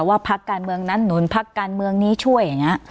พักการเมืองนั้นหนุนพักการเมืองนี้ช่วยอย่างนี้